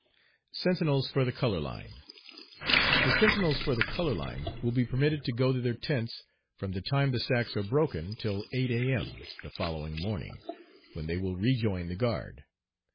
"Sentinels for the Color Line. The sentinels for the color line will be permitted to go to their tents from the time the stacks are broken till 8 A.M. the following morning, when they will rejoin the guard.